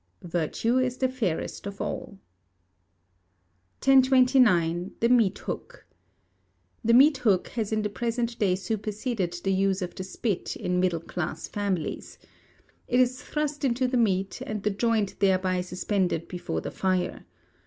[VIRTUE IS THE FAIREST OF ALL.] 1029. The Meat Hook. The meat hook has in the present day superseded the use of the Spit in middle class families. It is thrust into the meat, and the joint thereby suspended before the fire.